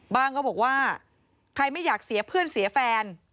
ก็บอกว่าใครไม่อยากเสียเพื่อนเสียแฟน